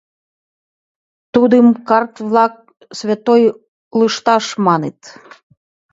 Тудым карт-влак «святой лышташ» маныт.